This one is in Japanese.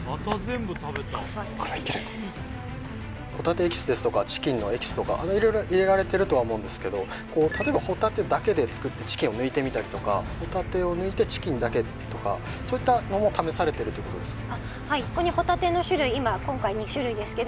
ホタテエキスですとかチキンのエキスとか色々入れられてるとは思うんですけど例えばホタテだけで作ってチキンを抜いてみたりとかホタテを抜いてチキンだけとかそういったのも試されてるということですか？